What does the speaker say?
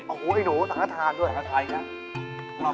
โอ้โฮไอ้หนูสังฆาตด้วยอาทายนะ